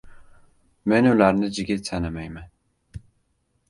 Men ularni jigit sanamayman